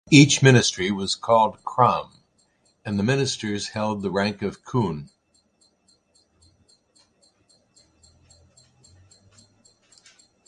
Each ministry was called "Krom" and the ministers held the rank of "Khun".